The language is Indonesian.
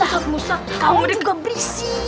ini engga usah kamu juga berisi